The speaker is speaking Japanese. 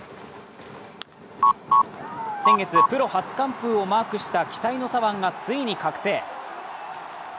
先月、プロ初完封をマークした期待の左腕がついに覚醒。